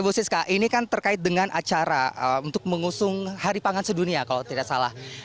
bu siska ini kan terkait dengan acara untuk mengusung hari pangan sedunia kalau tidak salah